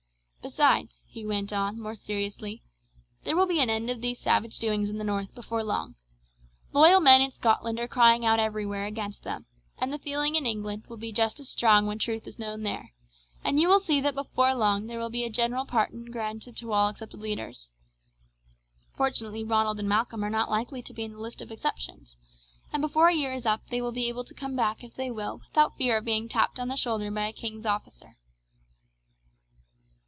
Besides," he went on more seriously, "there will be an end of these savage doings in the north before long. Loyal men in Scotland are crying out everywhere against them, and the feeling in England will be just as strong when the truth is known there, and you will see that before long there will be a general pardon granted to all except the leaders. Fortunately Ronald and Malcolm are not likely to be in the list of exceptions, and before a year is up they will be able to come back if they will without fear of being tapped on the shoulder by a king's officer."